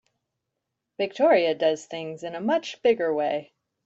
Victoria does things in a much bigger way.